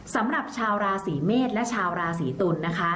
สำหรับชาวราศีเมษและชาวราศีตุลนะคะ